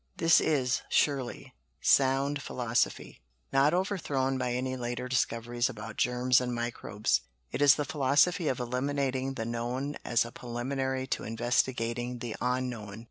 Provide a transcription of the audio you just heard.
This is, surely, sound philosophy; not overthrown by any later discoveries about germs and microbes. It is the philosophy of eliminating the known as a preliminary to investigating the unknown.